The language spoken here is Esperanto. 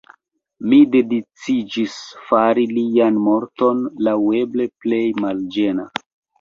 Mi decidiĝis fari lian morton laŭeble plej malĝena.